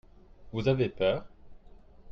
Vous avez peur ?